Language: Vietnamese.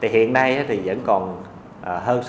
hiện nay thì vẫn còn hơn sáu mươi